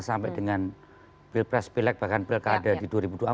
sampai dengan bilpres bilek bahkan bil kada di dua ribu dua puluh empat